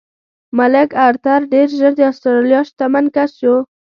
مک ارتر ډېر ژر د اسټرالیا شتمن کس شو.